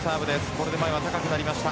これで前は高くなりました。